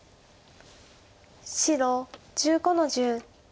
白１５の十。